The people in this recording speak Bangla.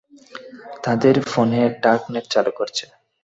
তাদের ফোনে ডার্ক নেট চালু করছে।